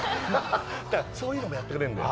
そういうのもやってくれるんだよ。